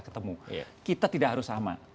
ketemu kita tidak harus sama